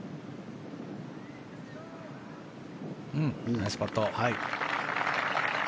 ナイスパット。